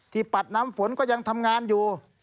ปัดน้ำฝนก็ยังทำงานอยู่